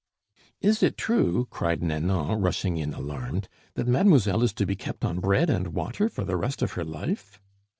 "Is it true," cried Nanon, rushing in alarmed, "that mademoiselle is to be kept on bread and water for the rest of her life?"